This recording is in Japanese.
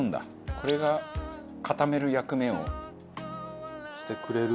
これが固める役目をしてくれる？